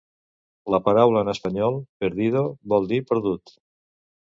La paraula en espanyol "perdido" vol dir "perdut".